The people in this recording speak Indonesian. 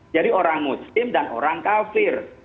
jadi orang muslim dan orang kafir